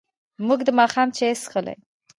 موږ د ماښام چای څښلی.